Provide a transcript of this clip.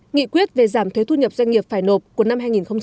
nghị quyết về giảm thuế thu nhập doanh nghiệp phải nộp của năm hai nghìn hai mươi